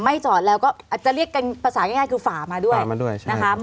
ไม่จอดแล้วก็จะเรียกประสาทง่ายคือฝ่ามาด้วยฝ่ามาด้วยใช่